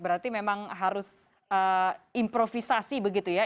berarti memang harus improvisasi begitu ya